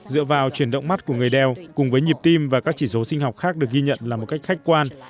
dựa vào chuyển động mắt của người đeo cùng với nhịp tim và các chỉ số sinh học khác được ghi nhận là một cách khách quan